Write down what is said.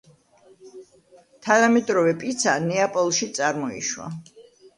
თანამედროვე პიცა ნეაპოლში წარმოიშვა.